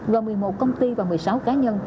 gồm một mươi một công ty và một mươi sáu cá nhân